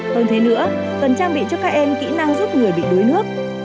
hơn thế nữa cần trang bị cho các em kỹ năng giúp người bị đuối nước